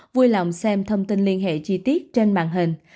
vui lòng xem thông tin liên hệ chi tiết trên màn hình